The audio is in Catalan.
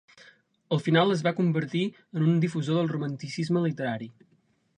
Al final es va convertir en un difusor del romanticisme literari.